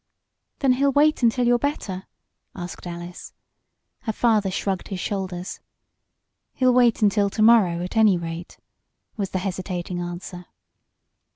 "Then he'll wait until you're better?" asked Alice. Her father shrugged his shoulders. "He'll wait until to morrow, at any rate," was the hesitating answer.